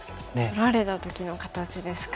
取られた時の形ですか。